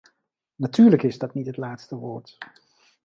Natuurlijk is dat niet het laatste woord.